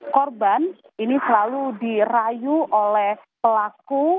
korban ini selalu dirayu oleh pelaku